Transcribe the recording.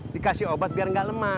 dikasih obat biar gak lupa